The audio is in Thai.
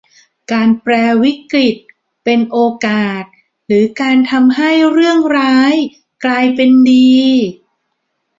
การแปรวิกฤตเป็นโอกาสหรือการทำให้เรื่องร้ายกลายเป็นดี